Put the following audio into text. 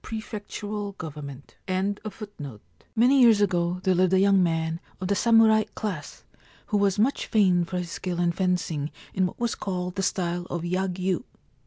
311 THE SNOW TOMB1 MANY years ago there lived a young man of the samurai class who was much famed for his skill in fencing in what was called the style of Yagyu.